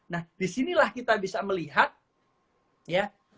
nah di sinilah kita bisa melihat ya